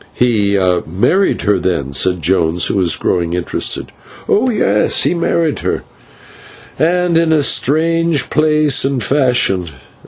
"He married her then?" said Jones, who was growing interested. "Oh, yes; he married her, and in a strange place and fashion.